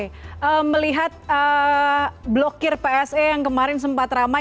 oke melihat blokir pse yang kemarin sempat ramai